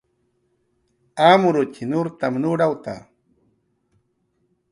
Amrutx nurtam nurawta